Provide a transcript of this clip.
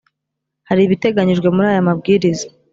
hari ibiteganyijwe muri aya mabwiriza